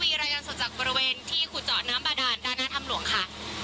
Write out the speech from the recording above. มีรายงานสดจากบริเวณที่ขุดเจาะน้ำบาดานด้านหน้าถ้ำหลวงค่ะ